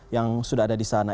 yang sudah ada di sana